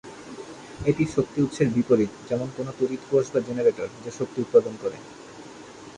এটি শক্তি উৎসের বিপরীত, যেমন কোনো তড়িৎ কোষ বা জেনারেটর, যা শক্তি উৎপাদন করে।